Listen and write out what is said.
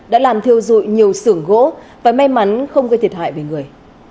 đã làm thiêu dụi nhiều sưởng gỗ và may mắn không gây thiệt hại về người